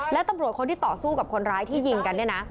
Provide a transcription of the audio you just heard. และตำรวจคนที่ต่อสู้กับคนร้ายที่ยิงกันเนี่ยนะ